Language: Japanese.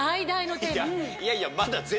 いやいやまだ。